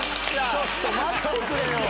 ⁉ちょっと待ってくれよ！